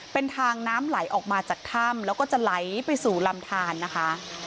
เป็นทางน้ำไหลออกมาจากถ้ำแล้วก็จะไหลไปสู่ลำทานนะคะ